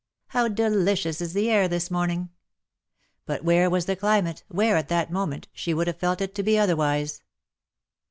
" How delicious is the air this morning 1" But where was the climate, where, at that moment, she would have felt it to be otherwise